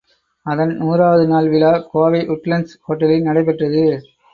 அதன் நூறாவது நாள் விழா கோவை உட்லண்ட்ஸ் ஹோட்டலில் நடைபெற்றது.